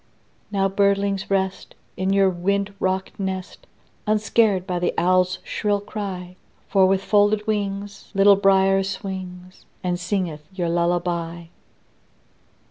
Now, birdlings, rest, In your wind rocked nest, Unscared by the owl's shrill cry; For with folded wings Little Brier swings, And singeth your lullaby.